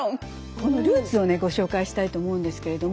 このルーツをねご紹介したいと思うんですけれども。